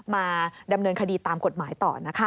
มาดำเนินคดีตามกฎหมายต่อนะคะ